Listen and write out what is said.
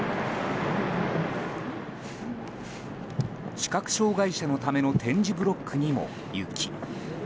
視覚障害者のための点字ブロックにも雪。